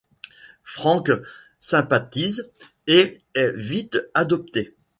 Frank sympathise et est vite adopté.